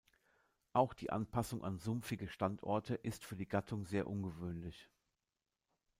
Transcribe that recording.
Auch die Anpassung an sumpfige Standorte ist für die Gattung sehr ungewöhnlich.